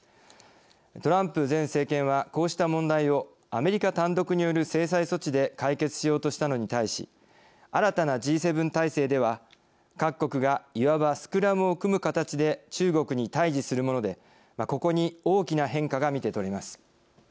トランプ前政権はこうした問題をアメリカ単独による制裁措置で解決しようとしたのに対し新たなＧ７体制では各国がいわばスクラムを組む形で中国に対じするものでここに大きな変化が見てとれます。